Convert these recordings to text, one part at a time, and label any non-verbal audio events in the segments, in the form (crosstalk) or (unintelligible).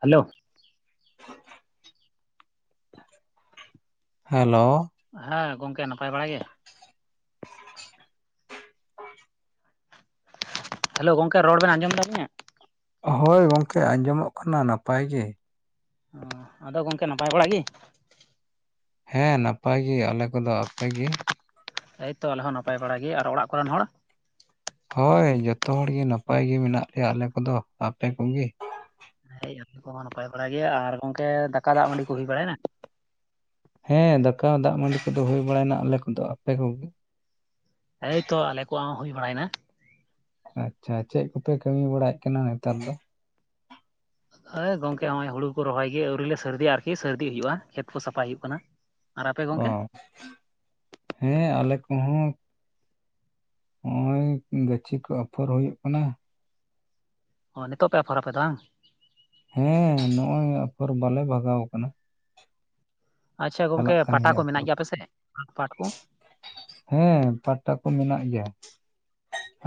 Hello hello ᱦᱮᱸ ᱜᱚᱝᱠᱮ ᱱᱟᱯᱟᱭ ᱵᱟᱲᱟ ᱜᱮ᱾ ᱦᱮᱞᱳ ᱜᱚᱝᱠᱮ ᱨᱚᱲ ᱵᱮᱱ ᱟᱸᱡᱚᱢᱫᱟ ᱟᱹᱞᱤᱧᱟ᱾ ᱦᱳᱭ ᱜᱚᱝᱠᱮ ᱟᱸᱡᱚᱢᱚᱜ ᱠᱟᱱᱟ ᱱᱟᱯᱟᱭ ᱜᱮ᱾ ᱟᱫᱚ ᱜᱚᱝᱠᱮ ᱱᱟᱯᱟᱭ ᱵᱟᱲᱟ ᱜᱮ᱾ ᱦᱮᱸ ᱱᱟᱯᱟᱭ ᱜᱮ ᱟᱞᱮ ᱠᱚᱫᱚ, ᱟᱯᱮᱜᱮ? ᱮᱣᱛᱚ ᱟᱞᱮ ᱦᱚᱸ ᱱᱟᱯᱟᱭ ᱵᱟᱲᱟ ᱜᱮ, ᱟᱨ ᱚᱲᱟᱜ ᱠᱚᱨᱮᱱ ᱦᱚᱲ? ᱦᱚᱭ ᱡᱚᱛᱚ ᱦᱚᱲᱜᱮ ᱱᱟᱯᱟᱭ ᱜᱮ ᱢᱮᱱᱟᱜ ᱞᱮᱭᱟ ᱟᱞᱮ ᱠᱚᱫᱚ, ᱟᱯᱮ ᱠᱚᱜᱮ? ᱦᱮ ᱡᱚᱛᱚ ᱦᱚᱲ ᱱᱟᱯᱟᱭ ᱵᱟᱲᱟ ᱜᱮᱭᱟ, ᱟᱨ ᱜᱚᱝᱠᱮ ᱫᱟᱠᱟ ᱫᱟᱜ ᱢᱟᱹᱰᱤ ᱠᱚ ᱦᱩᱭ ᱵᱟᱲᱟᱭᱮᱱᱟ? ᱦᱮᱸ ᱫᱟᱠᱟ ᱫᱟᱜ ᱢᱟᱹᱰᱤ ᱠᱚᱫᱚ ᱦᱩᱭ ᱵᱟᱲᱟᱭᱮᱱᱟ ᱟᱞᱮ ᱠᱚᱫᱚ, ᱟᱯᱮ ᱠᱚᱜᱮ? ᱮᱭᱛᱚ ᱟᱞᱮ ᱠᱚᱣᱟᱜ ᱦᱚᱸ ᱦᱩᱭ ᱵᱟᱲᱟᱭᱱᱟ᱾ ᱟᱪᱪᱷᱟ ᱪᱮᱫ ᱠᱚᱯᱮ ᱠᱟᱹᱢᱤ ᱵᱟᱲᱟᱭᱮᱫ ᱠᱟᱱᱟ ᱱᱮᱛᱟᱨ ᱫᱚ? ᱦᱮ ᱜᱚᱝᱠᱮ ᱦᱚᱸᱜ ᱚᱭ ᱦᱩᱲᱩ ᱠᱚ ᱨᱚᱦᱚᱭ ᱜᱮ ᱟᱹᱣᱨᱤ ᱞᱮ ᱥᱟᱹᱨᱫᱤᱭᱟ ᱟᱨᱠᱤ ᱥᱟᱹᱨᱫᱤ ᱦᱩᱭᱩᱜᱼᱟ ᱠᱷᱮᱛ ᱠᱚ ᱥᱟᱯᱟᱭ ᱦᱩᱭᱩᱜ ᱠᱟᱱᱟ᱾ ᱟᱨ ᱟᱯᱮ ᱚ ᱜᱚᱝᱠᱮ? ᱦᱮᱸ ᱟᱞᱮ ᱠᱚᱦᱚᱸ ᱱᱚᱜᱼᱚᱭ ᱜᱟᱹᱪᱷᱤ ᱠᱚ ᱚᱯᱷᱚᱨ ᱦᱩᱭᱩᱜ ᱠᱟᱱᱟ᱾ ᱚ ᱱᱤᱛᱚᱜ ᱯᱮ ᱚᱯᱷᱚᱨᱟᱯᱮ ᱫᱟᱝ? ᱦᱮᱸ ᱱᱚᱜᱼᱚᱭ ᱚᱯᱷᱚᱨ ᱵᱟᱞᱮ ᱵᱷᱟᱜᱟᱣ ᱟᱠᱟᱱᱟ᱾ ᱟᱪᱪᱷᱟ ᱜᱚᱝᱠᱮ ᱯᱟᱴᱟ ᱠᱚ ᱢᱮᱱᱟᱜ ᱜᱮᱭᱟ ᱟᱯᱮᱥᱮ, ᱯᱟᱴ ᱠᱚ? ᱦᱮᱸ ᱯᱟᱴᱟ ᱠᱚ ᱢᱮᱱᱟᱜ ᱜᱮᱭᱟ᱾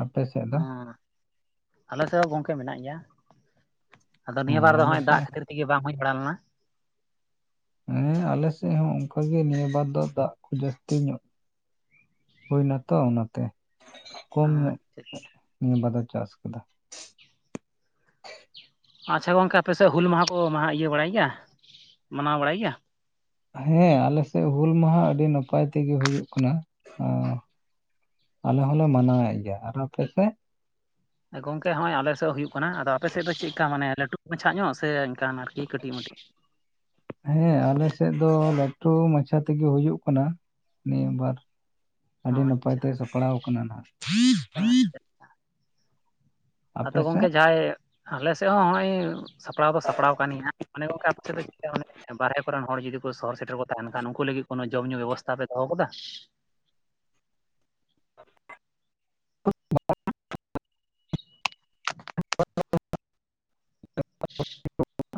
ᱟᱯᱮ ᱥᱮᱫ ᱫᱚ? ᱦᱮᱸ ᱟᱞᱮ ᱥᱮᱜ ᱦᱚ ᱜᱚᱢᱠᱮ ᱢᱮᱱᱟᱜ ᱜᱮᱭᱟ᱾ ᱟᱫᱚ ᱱᱤᱭᱟᱹ ᱦᱚᱸ ᱵᱟᱨ ᱫᱚ ᱦᱚᱸᱜ ᱟᱞᱮ ᱚᱭ ᱥᱮᱫ ᱫᱟᱜ ᱠᱷᱟᱹᱛᱤᱨ ᱛᱮᱜᱮ ᱵᱟᱝ ᱦᱩᱭ ᱵᱟᱲᱟ ᱞᱮᱱᱟ᱾ ᱦᱮᱸ ᱟᱞᱮᱥᱮᱫ ᱦᱚᱸ ᱚᱱᱠᱟᱜᱮ ᱱᱤᱭᱟᱹ ᱵᱟᱨ ᱫᱚ ᱫᱟᱜ ᱡᱟᱹᱥᱛᱤ ᱧᱚᱜ ᱦᱩᱭᱱᱟᱛᱚ ᱚᱱᱟᱛᱮ, ᱠᱚᱢ ᱧᱚᱜ ᱟᱪᱪᱷᱟ ᱟᱪᱪᱷᱟ ᱱᱤᱭᱟᱹ ᱵᱟᱨ ᱫᱚ ᱪᱟᱥ ᱠᱮᱫᱟ᱾ ᱟᱪᱪᱷᱟ ᱜᱚᱝᱠᱮ ᱟᱯᱮᱥᱮᱫ ᱦᱩᱞ ᱢᱟᱦᱟ ᱠᱚ ᱢᱟᱦᱟ ᱤᱭᱟᱹ ᱵᱟᱲᱟᱭ ᱜᱮᱭᱟ ᱢᱟᱱᱟᱣ ᱵᱟᱲᱟᱭ ᱜᱮᱭᱟ? ᱦᱮᱸ ᱟᱞᱮᱥᱮᱫ ᱦᱩᱞ ᱢᱟᱦᱟ ᱟᱹᱰᱤ ᱱᱟᱯᱟᱭ ᱛᱮᱜᱮ ᱦᱩᱭᱩᱜ ᱠᱟᱱᱟ᱾ ᱟᱞᱮ ᱦᱚᱞᱮ ᱢᱟᱱᱟᱣᱮᱫ ᱜᱮᱭᱟ, ᱟᱨ ᱟᱯᱮᱥᱮᱫ? ᱜᱚᱝᱠᱮ ᱦᱚᱸᱜᱼᱚᱭ ᱟᱞᱮᱥᱮᱫ ᱦᱩᱭᱩᱜ ᱠᱟᱱᱟ, ᱟᱫᱚ ᱟᱯᱮ ᱥᱮᱫ ᱫᱚ ᱪᱮᱫᱠᱟ ᱢᱟᱱᱮ ᱞᱟᱹᱴᱩ ᱢᱟᱪᱷᱟ ᱧᱚᱜ ᱥᱮ ᱮᱱᱠᱟᱱ ᱟᱨᱠᱤ ᱠᱟᱹᱴᱤᱡ ᱢᱟᱹᱴᱤ? ᱦᱮᱸ ᱟᱞᱮᱥᱮᱫ ᱫᱚ ᱞᱟᱹᱴᱩ ᱢᱟᱪᱷᱟ ᱛᱮᱜᱮ ᱦᱩᱭᱩᱜ ᱠᱟᱱᱟ᱾ ᱱᱤᱭᱟᱹ ᱵᱟᱨ, ᱟᱹᱰᱤ ᱟᱪᱪᱷᱟ ᱱᱟᱯᱟᱭᱛᱮ ᱥᱟᱯᱲᱟᱣ ᱠᱟᱱᱟ ᱱᱟᱦᱟᱸᱜ᱾ ᱟᱪᱪᱷᱟ ᱟᱫᱚ ᱜᱚᱝᱠᱮ ᱥᱮᱫ ᱡᱟᱦᱟᱸᱭ ᱟᱞᱮ ᱥᱮᱫ ᱦᱚᱸ ᱦᱚᱜᱼᱚᱭ ᱥᱟᱯᱲᱟᱣ ᱫᱚ ᱥᱟᱯᱲᱟᱣ ᱠᱟᱱ ᱜᱮᱭᱟ, ᱢᱚᱱᱮ ᱚᱝᱠᱟ ᱟᱯᱮᱥᱮᱫ ᱫᱚ ᱵᱟᱨᱦᱮ ᱠᱚᱨᱮᱱ ᱦᱚᱲ ᱡᱩᱫᱤ ᱠᱚ ᱥᱚᱦᱚᱨ ᱥᱮᱴᱮᱨ ᱠᱚ ᱛᱟᱦᱮᱱ ᱠᱷᱟᱱ ᱩᱱᱠᱩ ᱞᱟᱹᱜᱤᱫ ᱠᱚᱱᱚ ᱡᱚᱢ ᱧᱩ ᱵᱮᱵᱚᱥᱛᱟ ᱯᱮ ᱫᱚᱦᱚ ᱟᱠᱟᱫᱟ? (unintelligible) (unintelligible)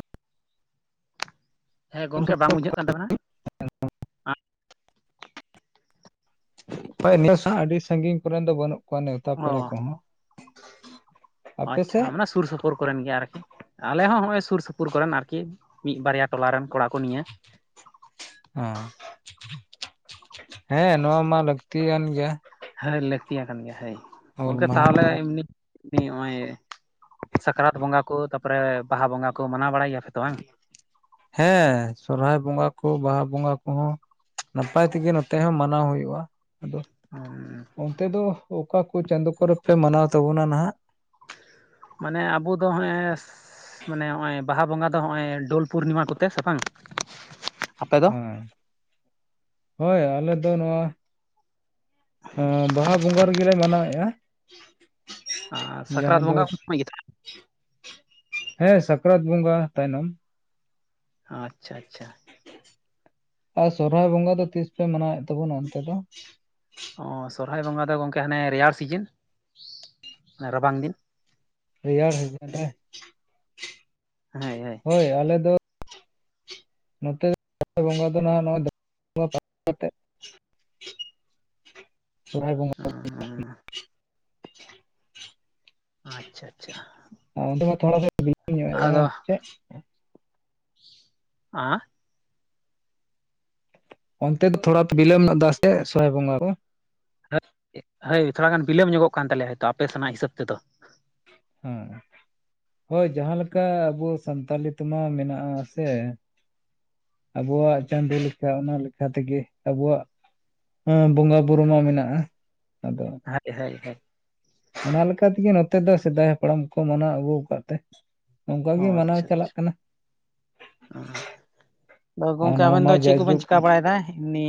ᱦᱮᱸ ᱜᱚᱢᱠᱮ ᱵᱟᱝ ᱵᱩᱡᱷᱟᱹᱜ ᱠᱟᱱ ᱛᱟᱵᱤᱱᱟ᱾ ᱦᱚᱭ ᱱᱮᱥ ᱦᱟᱸᱜ ᱟᱹᱰᱤ ᱥᱟᱺᱜᱤᱧ ᱠᱚᱨᱮᱱ ᱫᱚ ᱵᱟᱹᱱᱩᱜ ᱠᱚᱣᱟ ᱱᱮᱣᱛᱟ ᱯᱮᱲᱟ ᱚ ᱠᱚ ᱦᱚᱸ᱾ ᱟᱪᱪᱷᱟ ᱚᱱᱟ ᱥᱩᱨ ᱥᱩᱯᱩ ᱯᱩᱨ ᱠᱚᱨᱮᱱ ᱜᱮ ᱟᱨᱠᱤ, ᱟᱞᱮ ᱦᱚᱸ ᱦᱚᱸᱜᱼᱚᱭ ᱥᱩᱨ ᱥᱩᱯᱩᱨ ᱠᱚᱨᱮᱱ ᱟᱨᱠᱤ ᱢᱤᱫ ᱵᱟᱨᱭᱟ ᱴᱚᱞᱟ ᱨᱮᱱ ᱠᱚᱲᱟ ᱠᱚ ᱱᱤᱭᱟᱹ᱾ ᱦᱚᱸ᱾ ᱦᱮᱸ ᱱᱚᱣᱟ ᱢᱟ ᱞᱟᱹᱠᱛᱤ ᱭᱟᱱ ᱜᱮᱭᱟ᱾ ᱦᱟᱹᱭ ᱞᱟᱹᱠᱛᱤ ᱭᱟᱠᱟᱱ ᱜᱮᱭᱟ ᱦᱟᱹᱭ ᱦᱩᱞ ᱜᱚᱢᱠᱮ ᱢᱟᱦᱟ ᱛᱟᱦᱚᱞᱮ ᱢᱟ ᱩᱣᱱᱤ ᱱᱤ ᱱᱚᱜ ᱚᱭ ᱥᱟᱠᱨᱟᱛ ᱵᱚᱸᱜᱟ ᱠᱚ, ᱛᱟᱯᱚᱨᱮ ᱵᱟᱦᱟ ᱵᱚᱸᱜᱟ ᱠᱩ ᱢᱟᱱᱟᱣ ᱵᱟᱲᱟᱭ ᱜᱮᱭᱟ ᱯᱮ ᱛᱚ ᱵᱟᱝ? ᱦᱮᱸ ᱥᱚᱨᱦᱟᱭ ᱵᱚᱸᱜᱟ ᱠᱚ ᱵᱟᱦᱟ ᱵᱚᱸᱜᱟ ᱠᱚᱦᱚᱸ ᱱᱟᱯᱟᱭ ᱛᱮ ᱜᱮ ᱱᱚᱛᱮ ᱦᱚᱸ ᱢᱟᱱᱟᱣ ᱦᱩᱭᱩᱜᱼᱟ᱾ ᱟᱫᱚ (unintelligible) ᱚᱱᱛᱮ ᱫᱚ ᱚᱠᱟ ᱠᱩ ᱪᱟᱸᱫᱚ ᱠᱚᱨᱮ ᱯᱮ ᱢᱟᱱᱟᱣ ᱛᱟᱵᱚᱱᱟ ᱱᱟᱦᱟᱜ? ᱢᱟᱱᱮ ᱟᱵᱚ ᱫᱚ ᱱᱚᱻᱦᱸᱮᱥ ᱢᱟᱱᱮ ᱱᱚᱜᱼᱚᱭ ᱵᱟᱦᱟ ᱵᱚᱸᱜᱟ ᱫᱚ ᱱᱚᱜᱼᱚᱭ ᱰᱩᱞ ᱯᱩᱨᱱᱤᱢᱟ ᱠᱚᱛᱮ ᱥᱮ ᱵᱟᱝᱟ? ᱦᱩᱸ, ᱦᱚᱭ ᱟᱞᱮ ᱫᱚ ᱱᱚᱣᱟ ᱟᱸᱻ ᱵᱟᱦᱟ ᱵᱚᱸᱜᱟ ᱨᱮᱜᱮ ᱞᱮ ᱢᱟᱱᱟᱣᱮᱜᱼᱟ᱾ ᱟᱨ ᱥᱟᱠᱨᱟᱛ ᱵᱚᱸᱜᱟ ᱩᱱ ᱥᱚᱢᱚᱭ ᱜᱮ? ᱦᱮᱸ ᱥᱟᱠᱨᱟᱛ ᱵᱚᱸᱜᱟ ᱛᱟᱭᱱᱚᱢ᱾ ᱟᱪᱪᱷᱟ ᱟᱪᱪᱷᱟ᱾ ᱟᱨ ᱥᱚᱨᱚᱦᱟᱭ ᱵᱚᱸᱜᱟ ᱫᱚ ᱛᱤᱥ ᱯᱮ ᱢᱟᱱᱟᱣᱭᱮᱫ ᱛᱟᱹᱵᱩᱱᱟ ᱚᱱᱛᱮ ᱫᱚ? ᱚᱸ ᱥᱚᱨᱚᱦᱟᱭ ᱵᱚᱸᱜᱟ ᱫᱚ ᱜᱚᱝᱠᱮ ᱦᱟᱱᱮ ᱨᱮᱭᱟᱲ ᱥᱤᱡᱤᱱ, ᱨᱟᱵᱟᱝ ᱫᱤᱱ᱾ ᱨᱮᱭᱟᱲ ᱥᱤᱢᱳᱱ ᱨᱮ, ᱦᱳᱭ ᱟᱞᱮ ᱫᱚ ᱱᱚᱛᱮ ᱫᱚ (inaudible) ᱵᱚᱸᱜᱟ ᱫᱚ ᱱᱟᱦᱟᱜ ᱱᱚᱜᱼᱚᱭ (inaudible) ᱠᱟᱛᱮᱜ ᱾ ᱥᱚᱨᱦᱟᱭ ᱵᱚᱸᱜᱟ (inaudible) ᱟᱪᱪᱷᱟ ᱟᱪᱪᱷᱟ᱾ ᱟᱨ ᱚᱱᱛᱮ ᱢᱟ ᱛᱷᱚᱲᱟ ᱧᱚᱜ (inaudible) ᱟᱸᱻ? ᱚᱱᱛᱮ ᱫᱚ ᱛᱷᱚᱲᱟ ᱵᱤᱞᱟᱹᱢ (inaudible) ᱥᱮ ᱥᱚᱦᱚᱨᱟᱭ ᱵᱚᱸᱜᱟ ᱫᱚ? ᱦᱚᱭ ᱛᱷᱚᱲᱟ ᱜᱟᱱ ᱵᱤᱞᱟᱹᱢ ᱧᱚᱜᱚᱜ ᱠᱟᱱ ᱛᱟᱞᱮᱭᱟ ᱦᱳᱭᱛᱳ ᱟᱯᱮ ᱥᱮᱱᱟᱜ ᱦᱤᱥᱟᱹᱵ ᱛᱮᱫᱚ᱾ ᱦᱩᱸ, ᱦᱳᱭ ᱡᱟᱦᱟᱸ ᱞᱮᱠᱟ ᱟᱵᱩ ᱥᱟᱱᱛᱟᱞᱤ (inaudible) ᱢᱟ ᱢᱮᱱᱟᱜᱼᱟ ᱥᱮ, ᱟᱵᱩᱣᱟᱜ ᱪᱟᱸᱫᱩ ᱞᱮᱠᱷᱟ ᱚᱱᱟ ᱞᱮᱠᱷᱟ ᱛᱮᱜᱮ, ᱟᱵᱩᱣᱟᱜ ᱦᱮᱸ ᱵᱚᱸᱜᱟ ᱵᱩᱨᱩ ᱢᱟ ᱢᱮᱱᱟᱜᱼᱟ᱾ ᱟᱫᱚ (unintelligible) ᱚᱱᱟ ᱞᱮᱠᱟ ᱛᱮᱜᱮ ᱱᱚᱛᱮ ᱫᱚ ᱥᱮᱫᱟᱭ ᱦᱟᱯᱲᱟᱢ ᱠᱚ ᱢᱟᱱᱟᱣ ᱟᱹᱜᱩ ᱠᱟᱜ ᱛᱮ ᱱᱚᱝᱠᱟ ᱚ ᱜᱮ ᱢᱟᱱᱟᱣ ᱟᱪᱪᱷᱟ ᱪᱟᱞᱟᱜ ᱟᱪᱪᱷᱟ, ᱠᱟᱱᱟ ᱟᱸ᱾ ᱟᱫᱚ ᱟᱨ ᱜᱚᱝᱠᱮ ᱱᱚᱣᱟ ᱟᱵᱮᱱ ᱫᱚ ᱢᱟ ᱪᱮᱫ ᱠᱚᱵᱮᱱ ᱡᱟᱭᱡᱩᱜᱽ ᱪᱮᱠᱟ ᱵᱟᱲᱟᱭᱫᱟ? ᱱᱤ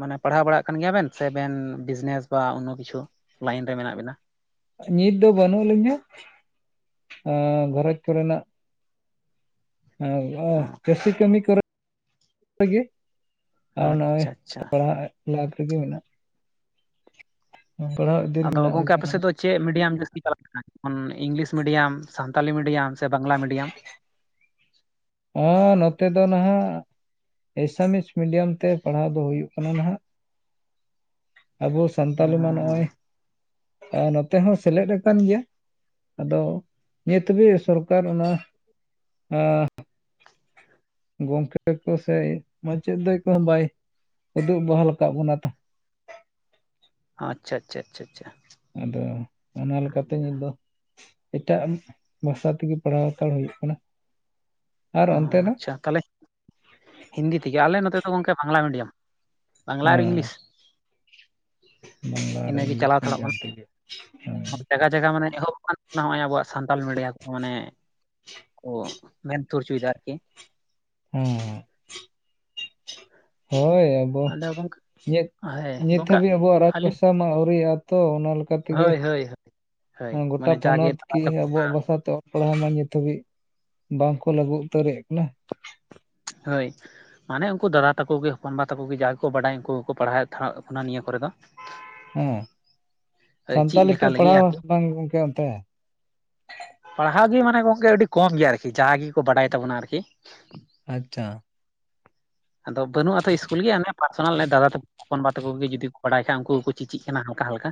ᱢᱟᱱᱮ ᱯᱟᱲᱦᱟᱣ ᱵᱟᱲᱟᱜ ᱠᱟᱱ ᱜᱮᱭᱟ ᱵᱮᱱ ᱥᱮ ᱵᱮᱱ ᱵᱤᱡᱽᱱᱮᱥ ᱵᱟ ᱚᱱᱱᱚ ᱠᱤᱪᱷᱩ ᱞᱟᱭᱤᱱ ᱨᱮ ᱢᱮᱱᱟᱜ ᱵᱤᱱᱟ? ᱱᱤᱛ ᱫᱚ ᱵᱟᱹᱱᱩᱜ ᱞᱤᱧᱟᱹ, ᱮᱸ ᱜᱷᱟᱨᱚᱡᱽ ᱠᱚ ᱨᱮᱱᱟᱜ ᱦᱳᱭ ᱦᱚᱸ ᱳᱭ ᱪᱟᱹᱥᱤ ᱠᱟᱹᱢᱤ ᱠᱚ ᱨᱮ (inaudible) (unintelligible) ᱟᱨ ᱱᱚᱜᱼᱚᱭ ᱟᱪᱪᱷᱟ ᱟᱪᱪᱷᱟ ᱯᱟᱲᱦᱟᱜ ᱞᱟᱠᱷ ᱨᱮ ᱜᱮ ᱢᱮᱱᱟᱜ, ᱯᱟᱲᱦᱟᱜ ᱟᱫᱚ ᱜᱚᱝᱠᱮ ᱟᱯᱮ ᱥᱮᱜ ᱫᱚ ᱪᱮᱫ ᱢᱤᱰᱤᱭᱟᱢ ᱡᱟᱹᱥᱛᱤ ᱪᱟᱞᱟᱜ ᱠᱟᱱᱟ, ᱚᱱ ᱤᱝᱞᱤᱥ ᱢᱤᱰᱤᱭᱟᱢ, ᱥᱟᱱᱛᱟᱞᱤ ᱢᱤᱰᱤᱭᱟᱢ ᱥᱮ ᱵᱟᱝᱞᱟ ᱢᱤᱰᱤᱭᱟᱢ? ᱦᱚᱸ ᱱᱚᱛᱮ ᱫᱚ ᱱᱟᱦᱟᱜ ᱮᱥᱟᱢᱤᱥ ᱢᱤᱰᱤᱭᱟᱢ ᱛᱮ ᱯᱟᱲᱦᱟᱣ ᱫᱚ ᱦᱩᱭᱩᱜ ᱠᱟᱱᱟ ᱱᱟᱦᱟᱜ, ᱟᱵᱚ ᱥᱟᱱᱛᱟᱞᱤ ᱢᱟ ᱦᱚᱸ ᱱᱚᱜᱼᱚᱭ, ᱮᱸ ᱱᱚᱛᱮ ᱦᱚᱸ ᱥᱮᱞᱮᱫ ᱟᱠᱟᱱ ᱜᱮᱭᱟ᱾ ᱟᱫᱚ ᱱᱤᱛ ᱦᱟᱹᱵᱤᱡ ᱥᱚᱨᱠᱟᱨ ᱚᱱᱟ ᱜᱚᱝᱠᱮ ᱛᱟᱠᱚ ᱥᱮ ᱢᱟᱪᱮᱫ ᱫᱚ ᱮᱠᱷᱚᱱ ᱵᱟᱭ, ᱩᱫᱩᱜ ᱵᱟᱦᱟᱞ ᱠᱟᱜ ᱵᱚᱱᱟ ᱛᱚ᱾ ᱟᱪᱪᱷᱟ ᱟᱪᱪᱷᱟ ᱟᱪᱪᱷᱟ ᱟᱪᱪᱷᱟ᱾ ᱟᱫᱚ ᱚᱱᱟ ᱞᱮᱠᱟᱛᱮ ᱱᱤᱛ ᱫᱚ ᱮᱴᱟᱜ ᱵᱷᱟᱥᱟ ᱛᱮᱜᱮ ᱯᱟᱲᱦᱟᱣ ᱦᱟᱛᱟᱲ ᱦᱩᱭᱩᱜ ᱠᱟᱱᱟ᱾ ᱟᱨ ᱚ ᱚᱱᱛᱮ ᱫᱚ ᱟᱪᱪᱷᱟ ᱛᱟᱦᱞᱮ, ᱦᱤᱱᱫᱤ ᱛᱮᱜᱮ ᱟᱞᱮ ᱱᱚᱛᱮ ᱫᱚ ᱜᱚᱝᱠᱮ ᱵᱟᱝᱞᱟ ᱢᱤᱰᱤᱭᱟᱢ᱾ ᱵᱟᱝᱞᱟ ᱟᱨ ᱤᱝᱞᱤᱥ᱾ ᱦᱮᱸ ᱵᱟᱝᱞᱟ ᱟᱨ ᱤᱱᱟᱹ ᱜᱮ ᱤᱝᱞᱤᱥ ᱪᱟᱞᱟᱣ ᱦᱟᱛᱟᱲᱚᱜ ᱢᱤᱰᱤᱭᱟᱢ ᱠᱟᱱᱟ, ᱛᱮᱜᱮ ᱦᱮᱸ (inaudible) ᱡᱟᱭᱜᱟ ᱡᱟᱭᱜᱟ ᱢᱟᱱᱮ ᱮᱦᱚᱵ ᱠᱟᱱ, ᱱᱚᱜᱼᱚᱭ ᱟᱵᱚᱣᱟᱜ ᱥᱟᱱᱛᱟᱞ ᱢᱤᱰᱤᱭᱟ ᱠᱚ ᱢᱟᱱᱮ ᱠᱚ ᱢᱮᱱ (inaudible) ᱦᱚᱪᱚᱭᱮᱫᱟ ᱟᱨᱠᱤ᱾ ᱦᱩᱸ᱾ ᱦᱳᱭ ᱟᱫᱚ ᱜᱚᱝᱠ ᱪᱮᱫ ᱱᱤᱛ ᱦᱟᱹᱵᱤᱡ ᱟᱵᱚᱣᱟᱜ ᱨᱟᱡᱽ ᱵᱷᱟᱥᱟ ᱢᱟ ᱟᱹᱣᱨᱤᱭᱟᱜᱼᱟ ᱛᱚ ᱚᱱᱟ ᱞᱮᱠᱟ ᱛᱮᱜᱮ ᱦᱳᱭ ᱦᱳᱭ ᱦᱳᱭ ᱦᱳᱭ ᱦᱮᱸ ᱜᱚᱴᱟ ᱢᱟᱱᱮ ᱡᱟᱜᱮ ᱯᱚᱱᱚᱛ ᱫᱟᱫᱟ ᱠᱤ ᱛᱟᱠᱚ ᱟᱵᱚᱣᱟᱜ ᱵᱷᱟᱥᱟ ᱛᱚ (unintelligible) ᱱᱤᱛ ᱦᱟᱹᱵᱤᱡ, ᱵᱟᱝᱠᱚ ᱞᱟᱹᱜᱩ ᱩᱛᱟᱹᱨᱮᱫ ᱠᱟᱱᱟ᱾ ᱦᱳᱭ ᱢᱟᱱᱮ ᱩᱱᱠᱩ ᱫᱟᱫᱟ ᱛᱟᱠᱚ ᱜᱮ ᱦᱚᱯᱚᱱ ᱵᱟ ᱛᱟᱠᱚ ᱜᱮ ᱡᱟ ᱜᱮᱠᱚ ᱵᱟᱰᱟᱭᱟ ᱩᱱᱠᱩ ᱜᱮᱠᱚ ᱯᱟᱲᱦᱟᱣᱮᱫ ᱠᱟᱱᱟ ᱱᱤᱭᱟᱹ ᱠᱚᱨᱮ ᱫᱚ ᱦᱩᱸ ᱪᱮᱫ ᱥᱟᱱᱛᱟᱞᱤ ᱛᱮ ᱞᱮᱠᱟ ᱞᱟᱹᱜᱤᱫ ᱟᱨᱠᱤ ᱯᱟᱲᱦᱟᱣᱥ ᱵᱟᱝ ᱜᱚᱢᱠᱮ ᱚᱱᱛᱮ? ᱯᱟᱲᱦᱟᱣ ᱜᱮ ᱢᱟᱱᱮ ᱜᱚᱝᱠᱮ ᱟᱹᱰᱤ ᱠᱚᱢ ᱜᱮᱭᱟ ᱟᱨᱠᱤ ᱡᱟ ᱜᱮᱠᱚ ᱵᱟᱰᱟᱭ ᱛᱟᱵᱚᱱᱟ ᱟᱨᱠᱤ ᱟᱪᱷᱟ ᱟᱫᱚ ᱵᱟᱹᱱᱩᱜᱼᱟ ᱛᱚ ᱤᱥᱠᱩᱞ ᱜᱮ ᱚᱱᱮ ᱯᱟᱨᱥᱚᱱᱟᱞ ᱫᱟᱫᱟ ᱛᱟᱠᱚ ᱦᱚᱯᱚᱱ ᱵᱟᱵᱟ ᱛᱟᱠᱚ ᱜᱮ ᱡᱩᱫᱤ ᱵᱟᱰᱟᱭ ᱠᱷᱟᱡ ᱩᱱᱠᱩᱠᱚ ᱪᱮᱪᱮᱜ ᱠᱟᱱᱟ ᱦᱟᱞᱠᱟ-ᱦᱟᱞᱠᱟ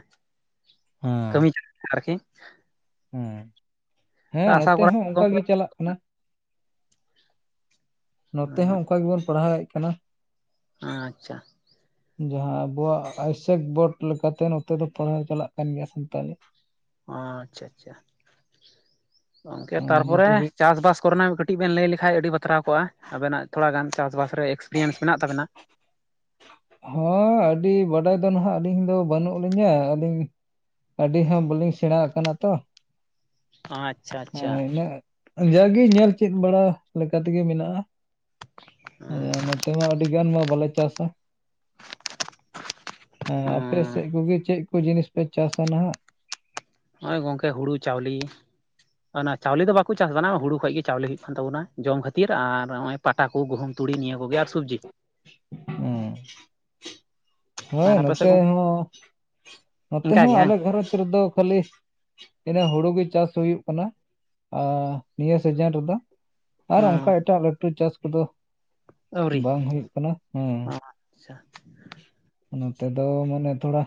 ᱠᱟᱹᱢᱤ ᱟᱨᱠᱤ ᱦᱩᱸ ᱦᱮᱸ ᱟᱥᱟ ᱱᱚᱛᱮ ᱠᱚᱨᱟ ᱦᱚᱸ ᱚᱱᱠᱟ ᱜᱚᱝᱠᱮ ᱜᱮ ᱪᱟᱞᱟᱜ ᱠᱟᱱᱟ᱾ ᱱᱚᱛᱮ ᱦᱚᱸ ᱚᱱᱠᱟ ᱜᱮᱵᱚᱱ ᱯᱟᱲᱦᱟᱣᱮᱫ ᱠᱟᱱᱟ᱾ ᱟᱪᱷᱟ ᱡᱟᱦᱟᱸ ᱟᱵᱚᱣᱟᱜ ᱟᱭᱩᱥᱮᱠ ᱵᱳᱰ ᱞᱮᱠᱟᱛᱮ ᱱᱚᱛᱮ ᱫᱚ ᱯᱟᱲᱦᱟᱣ ᱪᱟᱞᱟᱜ ᱠᱟᱱ ᱜᱮᱭᱟ ᱥᱟᱱᱛᱟᱞᱤ ᱚ ᱟᱪᱷᱟ-ᱟᱪᱷᱟ ᱜᱚᱝᱠᱮ ᱱᱤᱛ ᱛᱟᱨᱯᱚᱨᱮ ᱦᱟᱹᱵᱤᱡ ᱪᱟᱥᱵᱟᱥ ᱠᱚᱨᱮᱱᱟᱜ ᱠᱟᱹᱴᱤᱡ ᱵᱮᱱ ᱞᱟᱹᱭ ᱞᱮᱠᱷᱟᱡ ᱟᱹᱰᱤ ᱵᱟᱛᱨᱟᱣ ᱠᱚᱜᱼᱟ᱾ ᱟᱵᱮᱱᱟᱜ ᱛᱷᱚᱲᱟ ᱜᱟᱱ ᱪᱟᱥᱵᱟᱥ ᱨᱮ ᱮᱠᱥᱯᱨᱤᱭᱮᱱᱥ ᱢᱮᱱᱟᱜ ᱛᱟᱵᱮᱱᱟ᱾ ᱦᱮᱸ ᱟᱹᱰᱤ ᱵᱟᱰᱟᱭ ᱫᱚ ᱱᱟᱦᱟᱜ ᱟᱹᱞᱤᱧ ᱫᱚ ᱵᱟᱹᱱᱩᱜ ᱞᱤᱧᱟᱹ ᱟᱹᱞᱤᱧ ᱟᱹᱰᱤ ᱦᱚᱸ ᱵᱟᱹᱞᱤᱧ ᱥᱮᱬᱟ ᱟᱠᱟᱱᱟ ᱛᱚ ᱟᱪᱪᱷᱟ ᱟᱪᱪᱷᱟ ᱦᱮᱸ ᱤᱱᱟᱹ ᱡᱟᱜ-ᱜᱮ ᱧᱮᱞ ᱪᱮᱫ ᱵᱟᱲᱟ ᱞᱮᱠᱟᱛᱮᱜᱮ ᱢᱮᱱᱟᱜᱼᱟ᱾ ᱦᱮᱸ ᱱᱚᱛᱮ ᱢᱟ ᱟᱹᱰᱤ ᱜᱟᱱ ᱢᱟ ᱵᱟᱞᱮ ᱪᱟᱥᱟ᱾ ᱦᱮᱸ ᱟᱯᱮ ᱥᱮᱫ ᱠᱚᱜᱮ ᱪᱮᱫ ᱠᱚ ᱡᱤᱱᱤᱥ ᱯᱮ ᱪᱟᱥᱟ ᱱᱟᱦᱟᱜ᱾ ᱱᱚᱜᱼᱚᱭ ᱜᱚᱝᱠᱮ ᱦᱳᱲᱳ ᱪᱟᱣᱞᱮ ᱚᱱᱟ ᱪᱟᱣᱞᱮ ᱫᱚ ᱵᱟᱠᱚ ᱪᱟᱥᱫᱟ ᱦᱩᱲᱩ ᱠᱷᱚᱡ ᱜᱮ ᱪᱟᱣᱞᱮ ᱦᱩᱭᱩᱜ ᱠᱟᱱ ᱛᱟᱵᱚᱱᱟ ᱡᱚᱢ ᱠᱷᱟᱹᱛᱤᱨ ᱟᱨ ᱱᱚᱜᱼᱚᱭ ᱯᱟᱴᱟ ᱠᱚ ᱜᱩᱦᱩᱢ, ᱛᱩᱲᱤ ᱱᱤᱭᱟᱹ ᱠᱚᱜᱮ ᱟᱨ ᱥᱚᱵᱽᱡᱤ ᱦᱮᱸ ᱦᱳᱭ ᱟᱨ ᱟᱯᱮ ᱥᱮᱫ ᱱᱚᱛᱮ ᱦᱚᱸ- ᱱᱚᱛᱮ ᱤᱱᱠᱟ ᱦᱚᱸ ᱜᱮ ᱵᱟᱝ ᱟᱞᱮ ᱜᱷᱟᱨᱚᱸᱡᱽ ᱨᱮᱫᱚ ᱠᱷᱟᱹᱞᱤ ᱤᱱᱟᱹ ᱦᱳᱲᱳ ᱪᱟᱥ ᱦᱩᱭᱩᱜ ᱠᱟᱱᱟ ᱱᱤᱭᱟᱹ ᱥᱤᱡᱮᱱ ᱨᱮᱫᱚ ᱟᱨ ᱚᱱᱠᱟ ᱮᱴᱟᱜ ᱞᱟᱹᱴᱩ ᱪᱟᱥ ᱠᱚᱫᱚ ᱵᱟᱝ ᱦᱩᱭᱩᱜ ᱠᱟᱱᱟ ᱦᱮᱸ ᱟᱪᱷᱟ ᱱᱚᱛᱮ ᱫᱚ ᱢᱟᱱᱮ ᱛᱷᱚᱲᱟ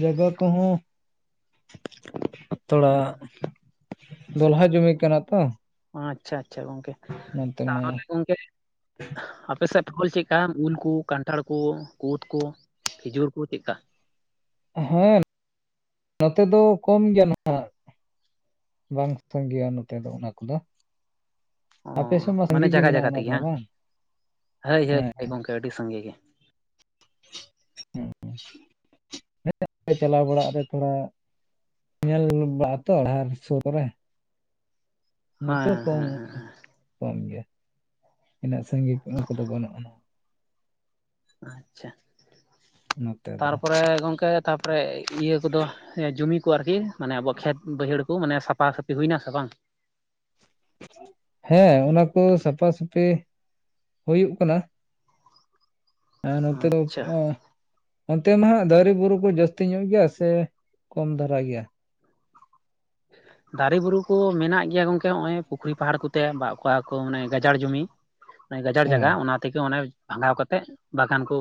ᱡᱟᱜᱟ ᱠᱚᱦᱚᱸ ᱛᱷᱚᱲᱟ ᱫᱚᱞᱦᱟ ᱡᱩᱢᱤ ᱠᱟᱱᱟ ᱛᱚ ᱟᱪᱷᱟ-ᱟᱪᱷᱟ ᱜᱚᱝᱠᱮ ᱱᱚᱛᱮ ᱢᱟ ᱛᱟᱦᱚᱞᱮ ᱜᱚᱝᱠᱮ ᱟᱯᱮᱥᱮᱫ ᱯᱷᱚᱞ ᱪᱮᱫᱞᱮᱠᱟ ᱩᱞᱠᱩ ᱠᱟᱱᱴᱷᱟᱲ ᱠᱚ ᱠᱩᱫ ᱠᱚ ᱠᱷᱤᱡᱩᱨ ᱠᱚ ᱪᱮᱫᱼᱠᱟ? ᱦᱮᱸ ᱱᱚᱛᱮ ᱫᱚ ᱠᱚᱢ ᱜᱮᱭᱟ ᱱᱟᱦᱟᱜ ᱵᱟᱝ ᱥᱟᱸᱜᱮᱭᱟ ᱱᱚᱛᱮ ᱫᱚ ᱚᱱᱟ ᱠᱚᱫᱚ ᱚ ᱟᱯᱮ ᱥᱮᱫ ᱢᱟ ᱢᱟᱱᱮ ᱥᱟᱺᱜᱤᱧ ᱜᱮ ᱡᱟᱭᱜᱟ ᱢᱮᱱᱟᱜᱼᱟ ᱡᱟᱭᱜᱟ ᱚᱱᱟ ᱛᱮᱜᱮ ᱠᱚᱢᱟ ᱵᱟᱝ ᱦᱳᱭ ᱦᱳᱭ ᱦᱮᱸ ᱦᱳᱭ ᱜᱚᱝᱠᱮ ᱟᱹᱰᱤ ᱥᱟᱸᱜᱮ ᱜᱮ ᱦᱮᱸ ᱪᱟᱞᱟᱣ ᱵᱟᱲᱟᱜ ᱨᱮ ᱛᱷᱚᱲᱟ ᱧᱮᱞ ᱵᱟᱛᱚᱼᱟ ᱥᱩᱨ ᱠᱚᱨᱮ ᱱᱚᱛᱮ ᱦᱮᱸ ᱠᱚᱢ ᱦᱮᱸ ᱦᱮᱸ ᱠᱚᱢ ᱜᱮᱭᱟ ᱤᱱᱟᱹᱜ ᱥᱟᱺᱜᱤᱧ ᱩᱱᱟᱜ ᱠᱚᱫᱚ ᱵᱟᱹᱱᱩᱜ ᱟᱱᱟ ᱟᱪᱷᱟ ᱱᱚᱛᱮ ᱫᱚ ᱛᱟᱨᱯᱚᱨᱮ ᱜᱚᱝᱠᱮ ᱛᱟᱯᱚᱨᱮ ᱤᱭᱟᱹ ᱠᱚᱫᱚ ᱡᱩᱢᱤ ᱠᱚ ᱟᱨᱠᱤ ᱢᱟᱱᱮ ᱟᱵᱚᱣᱟᱜ ᱠᱷᱮᱛ- ᱵᱟᱹᱭᱦᱟᱹᱲ ᱢᱟᱱᱮ ᱥᱟᱯᱷᱟ-ᱥᱟᱹᱯᱷᱤ ᱦᱩᱭᱱᱟ ᱥᱮ ᱵᱟᱝ? ᱦᱮᱸ ᱚᱱᱟ ᱠᱚ ᱥᱟᱯᱷᱟ-ᱥᱟᱹᱯᱷᱤ ᱦᱩᱭᱩᱜ ᱠᱟᱱᱟ᱾ ᱦᱮᱸ ᱱᱚᱛᱮ ᱫᱚ ᱟᱪᱪᱷᱟ ᱮ ᱚᱱᱛᱮ ᱢᱟ ᱦᱟᱜ ᱫᱟᱨᱮ ᱵᱩᱨᱩ ᱠᱚ, ᱡᱟᱹᱥᱛᱤ ᱧᱚᱜ ᱜᱮᱭᱟ᱾ ᱥᱮ ᱠᱚᱢ ᱫᱷᱟᱨᱟ᱾ ᱜᱮᱭᱟ? ᱦᱮ (inaudible) ᱫᱟᱨᱮ ᱵᱩᱨᱩ ᱠᱚ, ᱢᱮᱱᱟ-ᱜ ᱜᱮᱭᱟ᱾ ᱜᱚᱝᱠᱮ ᱱᱚ -ᱚᱭ ᱯᱩᱠᱷᱨᱤ ᱯᱟᱦᱟᱲ ᱠᱚᱛᱮ, ᱚᱵᱟ ᱠᱚ-ᱟ ᱠᱚ ᱢᱟᱱᱮ ᱜᱟᱡᱟᱲ ᱡᱩᱚᱢᱤ ᱜᱟᱡᱟᱲ ᱡᱟᱭᱜᱟ᱾ ᱦᱮᱸ ᱚᱱᱟ ᱛᱮᱜᱮ ᱚᱱᱮ ᱵᱷᱟᱜᱟ-ᱣ ᱠᱟᱛᱮᱫ᱾ ᱵᱟᱜᱟᱱ ᱠᱚ,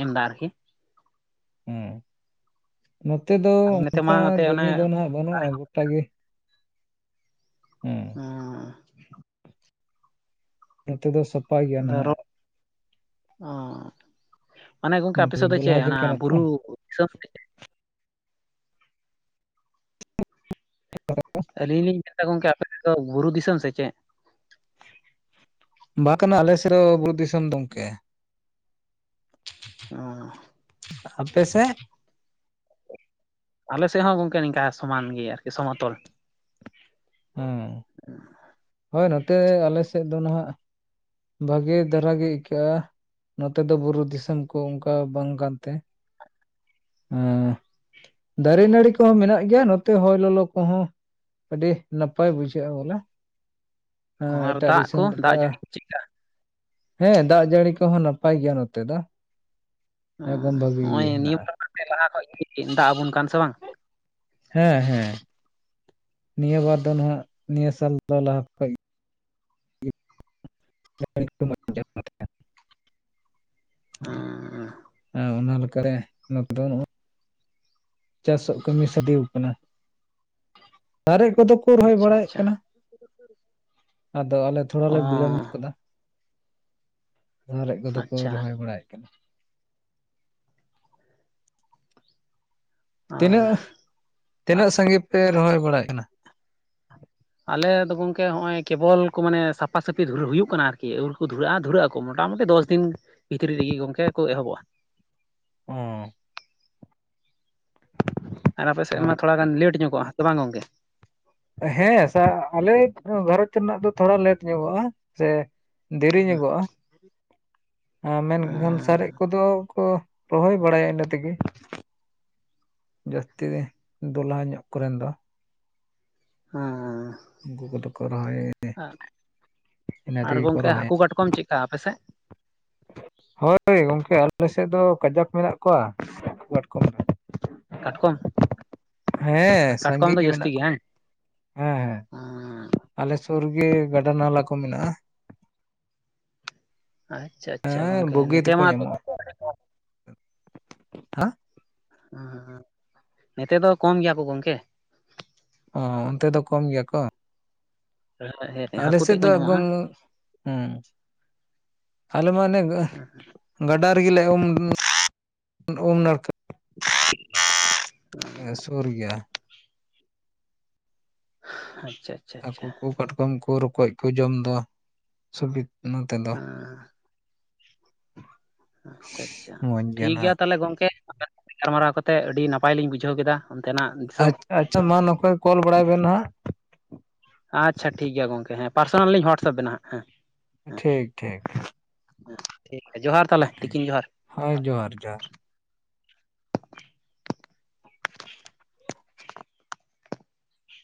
ᱮᱢ ᱮᱫᱟ ᱟᱨᱠᱤ ᱦᱩᱸ᱾ ᱱᱚᱛᱮ ᱫᱚ, ᱟᱞᱮ ᱱᱚᱛᱮ ᱢᱟ ᱚᱱᱠᱟ ᱮᱱᱛᱮ ᱚᱱᱮ ᱡᱚᱢᱤ ᱫᱚ ᱱᱟᱜ᱾ ᱵᱟᱹᱱᱩᱜ-ᱟ᱾ ᱜᱚᱴᱟ ᱜᱮ ᱦᱩᱸ᱾ ᱦᱟᱸ᱾ ᱱᱚᱛᱮ ᱫᱚ, ᱥᱟᱯᱟᱭ ᱜᱮᱭᱟ᱾ ᱱᱟᱦᱟ-ᱜ ᱚᱸᱻ ᱢᱟᱱᱮ ᱜᱚᱝᱠᱮ ᱟᱯᱮ ᱱᱚᱛᱮ ᱥᱮᱫ ᱫᱚ ᱫᱚᱞᱦᱟ ᱪᱮᱫ᱾ ᱡᱚᱢ ᱚᱱᱟ ᱠᱟᱱᱟ ᱛᱚ ᱵᱩᱨᱩ ᱫᱤᱥᱚᱢ ᱴ (inaudible) ᱟᱹᱞᱤᱧ ᱞᱤᱧ ᱢᱮᱱᱫᱟ᱾ ᱜᱚᱝᱠᱮ ᱟᱯᱮᱥᱮᱫ ᱫᱚ᱾ ᱵᱩᱨᱩ ᱫᱤᱥᱚᱢ ᱥᱮ ᱪᱮᱫ? ᱵᱟᱝ ᱠᱟᱱᱟ᱾ ᱟᱞᱮᱥᱮᱨ ᱦᱚᱸ ᱵᱩᱨᱩ ᱫᱤᱥᱚᱢ ᱾ᱜᱚᱝᱠᱮ ᱚᱸ ᱟᱯᱮ ᱥᱮ? ᱟᱞᱮ ᱥᱮᱫ ᱦᱚᱸ ᱜᱚᱝᱠᱮ ᱾ᱱᱤᱝᱠᱟ ᱥᱚᱢᱟᱱ ᱜᱮᱭᱟ ᱾ᱟᱨᱠᱤ ᱥᱚᱢᱚᱛᱚᱞ᱾ ᱦᱩᱸ᱾ ᱦᱳᱭ ᱱᱚᱛᱮ, ᱟᱞᱮ ᱥᱮᱫ ᱫᱚ᱾ ᱱᱚᱦᱟᱼᱜ᱾ ᱵᱷᱟᱹᱜᱮ ᱫᱷᱽᱟᱨᱟ ᱜᱮ᱾ ᱟᱹᱭᱠᱟᱹᱜ-ᱟ᱾ ᱱᱚᱛᱮ ᱫᱚ ᱵᱩᱨᱩ ᱫᱤᱥᱚᱢ᱾ ᱠᱚ ᱚᱱᱠᱟ ᱵᱟᱝ ᱠᱟᱱ ᱛᱮ ᱫᱟᱨᱮ ᱱᱟᱹᱲᱤ ᱠᱚ-ᱦᱚᱸ ᱢᱮᱱᱟ-ᱜ ᱜᱮᱭᱟ᱾ ᱱᱚᱛᱮ ᱦᱚᱭ ᱞᱚ-ᱞᱚ ᱠᱚᱦᱚᱸ᱾ ᱟᱹᱰᱤ ᱱᱟᱯᱟ-ᱭ ᱵᱩᱡᱷᱽᱟᱹᱜ-ᱟ᱾ ᱵᱚᱞᱮ ᱦᱮᱸ ᱟᱨ ᱮᱴᱟᱜ ᱫᱟᱜ ᱠᱚ ᱫᱤᱥᱚᱢ ᱞᱮᱠᱟ ᱾ᱫᱟᱜ ᱡᱟᱹᱲᱤ ᱠᱚ ᱾ᱪᱮᱫ ᱠᱟ? ᱦᱮᱸ᱾ ᱫᱟᱜ ᱡᱟᱹᱲᱤ ᱠᱚ-ᱦᱚᱸ ᱱᱟᱯᱟᱭ ᱜᱮᱭᱟ᱾ ᱱᱚᱛᱮ ᱫᱚ, ᱮᱠᱫᱚᱢ ᱵᱷᱟᱹᱜᱤ ᱦᱚᱸᱜᱼᱚᱭ ᱜᱮ, ᱱᱤᱭᱟᱹ ᱢᱮᱱᱟᱜ-ᱟ᱾ ᱵᱟᱨ ᱞᱟᱦᱟ ᱠᱷᱚᱡ ᱜᱮ, ᱪᱮᱫ ᱫᱟᱜ ᱟᱵᱚᱱ ᱠᱟᱱᱭ ᱾ᱥᱮ ᱵᱟᱝ ᱦᱮᱸ - ᱦᱮᱸ ᱱᱤᱭᱟᱹ ᱵᱟᱨ ᱫᱚ ᱱᱚᱭᱟ᱾ ᱱᱤᱭᱟᱹ ᱥᱟᱞ ᱫᱚ ᱞᱟᱦᱟ ᱠᱷᱚᱡᱽ ᱜᱮ ᱢ (unintelligible) ᱮ (inaudible) ᱦᱮᱸ ᱚᱱᱟ ᱞᱮᱠᱟᱨᱮ, ᱱᱚᱛᱮ ᱫᱚ ᱱᱩᱜ ᱪᱟᱥᱚ-ᱜ ᱠᱟᱹᱢᱤ ᱥᱟᱰᱮ ᱟᱠᱟᱱᱟ ᱾ᱫᱟᱨᱮ ᱠᱚᱼᱫᱚ ᱨᱚᱦᱚᱭ ᱟᱪᱪᱷᱟ ᱵᱟᱲᱟᱭᱮᱫ ᱟᱪᱪᱷᱟ ᱠᱟᱱᱟ᱾ ᱟᱫᱚ ᱟᱞᱮ ᱛᱷᱚᱲᱟᱞᱮ, ᱵᱤᱞᱳᱢᱚ ᱦᱚᱸ ᱧᱜ ᱠᱟᱱᱟ᱾ ᱥᱟᱨᱮᱡ ᱠᱚ-ᱫᱚ ᱠᱚ, ᱟᱪᱪᱷᱟ ᱨᱚᱦᱚᱭ ᱵᱟᱲᱟᱭᱮᱫ ᱠᱟᱱᱟ᱾ ᱛᱤᱱᱟᱹᱜ᱾ ᱟᱨ ᱛᱤᱱᱟᱹᱜ ᱥᱟᱸᱜᱤᱧ ᱯᱮ, ᱨᱚᱦᱚᱭ ᱵᱟᱲᱟ-ᱭ ᱠᱟᱱᱟ᱾ ᱟᱞᱮ ᱫᱚ ᱜᱚᱝᱠᱮ, ᱦᱚᱸᱜᱼᱚᱭ ᱠᱮᱵᱚᱞ ᱠᱚ, ᱟᱞᱮ ᱟᱞᱮᱫᱚ ᱜᱚᱝᱠᱮ ᱱᱟ-ᱚᱭ ᱠᱮᱵᱟᱞ ᱠᱚ ᱢᱟᱱᱮ ᱥᱟᱯᱷᱟ ᱥᱟᱹᱯᱷᱤ ᱫᱷᱽᱩᱨᱟᱳ ᱦᱩᱭᱩᱜ ᱠᱟᱱᱟ᱾ ᱟᱨᱠᱤ ᱟᱹᱣᱲᱤ ᱠᱚ ᱫᱷᱩᱨᱲᱟᱹᱜ-ᱟ᱾ ᱫᱷᱩᱨᱟᱹ ᱟᱠᱚ ᱠᱚ ᱢᱚᱴᱟ-ᱢᱩᱴᱤ ᱫᱚᱥ ᱫᱤᱱ ᱵᱷᱤᱛᱨᱤ ᱨᱮᱜᱮ, ᱜᱚᱝᱠᱮ ᱠᱚ ᱮᱦᱚᱵᱚᱜ-ᱟ᱾ ᱚᱸ ᱟᱨ ᱟᱯᱮ ᱥᱮᱫ ᱦᱚᱸ ᱢᱟ ᱾ᱛᱷᱚᱲᱟ ᱜᱟᱱ ᱞᱮᱴ ᱧᱚᱜ-ᱟ᱾ ᱦᱮᱸ ᱵᱟᱝ ᱜᱚᱝᱠᱮ ᱦᱮᱸ ᱟᱞᱮ ᱜᱷᱟᱨᱚᱸᱡᱽ ᱨᱮᱱᱟᱜ ᱫᱚ᱾ ᱛᱷᱚᱲᱟ ᱞᱮᱴ ᱧᱚᱜᱚᱜ-ᱟ᱾ ᱥᱮ ᱫᱮᱨᱤ ᱧᱚᱜᱚᱜ-ᱟ᱾ ᱟᱨ ᱢᱮᱱᱠᱷᱟᱱ ᱥᱟᱨᱮᱡ ᱠᱚ-ᱫᱚ ᱠᱚ ᱨᱚᱦᱚᱭ ᱵᱟᱲᱟᱭᱟ ᱾ᱤᱱᱟᱹ ᱛᱮᱜᱮ, ᱡᱟᱹᱥᱛᱤ ᱫᱚᱞᱦᱟ ᱧᱚᱜ ᱠᱚᱨᱮᱱ ᱫᱚ ᱦᱮᱸ᱾ ᱩᱱᱠᱩ ᱠᱚ-ᱫᱚ ᱠᱚ ᱨᱚᱦᱚᱭ ᱾ ᱤᱱᱟᱹ ᱟᱨ ᱛᱮᱜᱮ ᱠᱚ ᱜᱚᱝᱠᱮ ᱨᱚᱦᱚᱭ-ᱟ᱾ ᱦᱟᱹᱠᱩ ᱠᱟᱴ-ᱠᱚᱢ ᱪᱮᱫ ᱞᱮᱠᱟ ᱾ᱟᱯᱮᱥᱮᱫ? ᱦᱳᱭ ᱜᱚᱝᱠᱮ ᱟᱞᱮ ᱥᱮᱫ ᱫᱚ, ᱠᱟᱡᱟᱠ ᱢᱮᱱᱟ-ᱜ ᱠᱚᱣᱟ ᱾ᱠᱟᱴᱠᱚᱢ ᱠᱟᱴᱠᱚᱢ? ᱦᱮᱸ᱾ ᱠᱟᱴᱠᱚᱢ ᱥᱟᱸᱜᱮ ᱫᱚ ᱜᱮ, ᱡᱟᱹᱥᱛᱤ ᱢᱮᱱᱟᱜ-ᱟ ᱵᱟᱝ? ᱾ᱦᱮᱸ- ᱦᱮᱸ᱾ ᱟᱞᱮ ᱥᱩᱨᱜᱮ᱾ ᱜᱟᱰᱟ ᱱᱟᱞᱟ ᱠᱚ, ᱢᱮᱱᱟᱜ-ᱟ᱾ ᱟᱪᱪᱷᱟ ᱟᱪᱪᱷᱟ ᱦᱮᱸ ᱜᱚᱝᱠᱮ ᱵᱩᱜᱤ ᱱᱚᱛᱮ ᱛᱮᱠᱚ ᱢᱟ ᱧᱟᱢᱚᱜᱼᱟ ᱦᱟᱸ ᱦᱮᱸ ᱦᱮᱸ ᱱᱮᱛᱮ ᱫᱚ ᱠᱚᱢ ᱜᱮᱭᱟ ᱠᱚ ᱜᱚᱝᱠᱮ ᱟ ᱚᱱᱛᱮ ᱫᱚ ᱠᱚᱢ ᱜᱮᱭᱟ ᱠᱚ ᱟᱞᱮ ᱦᱟᱹᱠᱩ ᱛᱮᱫ ᱥᱮᱫ ᱠᱚ ᱫᱚ ᱧᱟᱢᱚᱜᱼᱟ ᱮᱫᱚᱢ ᱩᱸ ᱟᱞᱮ ᱢᱟ ᱚᱱᱮ ᱜᱟᱹ ᱜᱟᱰᱟ ᱨᱮᱜᱮᱞᱮ ᱩᱢ ᱩᱢ ᱱᱟᱲᱠᱟ ᱮᱸ ᱥᱩᱨ ᱜᱮᱭᱟ ᱟᱪᱪᱷᱟ ᱟᱪᱪᱷᱟ ᱦᱟᱹᱠᱩ ᱟᱪᱪᱷᱟ ᱠᱚ ᱠᱟᱴᱠᱚᱢ ᱠᱚ ᱨᱚᱠᱚᱡ ᱠᱚ ᱡᱚᱢ ᱫᱚ ᱥᱩᱵᱤᱫ ᱱᱚᱛᱮ ᱫᱚ (inaudible) ᱟᱪᱪᱷᱟ ᱟᱪᱪᱷᱟ ᱟᱪᱪᱷᱟ ᱢᱚᱸᱡᱽ ᱴᱷᱤᱠ ᱜᱮᱭᱟ ᱱᱟᱦᱟᱜ ᱛᱟᱦᱚᱞᱮ ᱜᱚᱝᱠᱮ ᱜᱟᱨᱢᱟᱨᱟᱣ ᱠᱟᱛᱮᱫ ᱟᱹᱰᱤ ᱱᱟᱯᱟᱭ ᱞᱤᱧ ᱵᱩᱡᱷᱟᱹᱣ ᱠᱮᱫᱟ ᱚᱱᱛᱮᱱᱟᱜ ᱫᱤᱥᱚᱢ ᱟᱪᱪᱷᱟ ᱟᱪᱪᱷᱟ ᱢᱟ ᱱᱚᱠᱟ ᱜᱮ ᱠᱚᱞ ᱵᱟᱲᱟᱭ ᱵᱮᱱ ᱦᱟᱸᱜ ᱟᱪᱪᱷᱟ ᱴᱷᱤᱠ ᱜᱮᱭᱟ ᱜᱚᱝᱠᱮ ᱦᱮᱸ ᱯᱟᱨᱥᱚᱱᱟᱞ ᱞᱤᱧ ᱦᱚᱣᱟᱴᱥᱟᱯ ᱵᱮᱱᱟ ᱦᱟᱸᱜ ᱦᱮᱸ ᱴᱷᱤᱠ ᱴᱷᱤᱠ ᱡᱚᱦᱟᱨ ᱛᱟᱦᱚᱞᱮ ᱛᱤᱠᱤᱱ ᱡᱚᱦᱟᱨ ᱦᱳᱭ ᱡᱚᱦᱟᱨ ᱡᱚᱦᱟᱨ